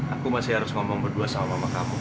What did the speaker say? aku masih harus ngomong berdua sama mama kamu